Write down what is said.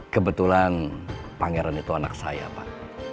kebetulan pangeran itu anak saya pak